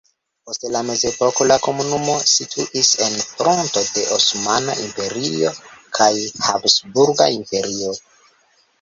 Post la mezepoko la komunumo situis en fronto de Osmana Imperio kaj Habsburga Imperio.